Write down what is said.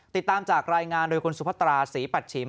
ติดตามและรายงานจากโดยคุณสุพัตราสีปัดฉิม